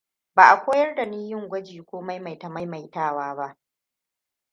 Ba a koyar da ni yin gwaji ko maimaita maimaitawa ba.